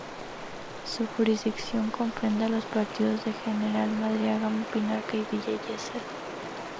Su jurisdicción comprende a los partidos de: General Madariaga, Pinamar y Villa Gesell.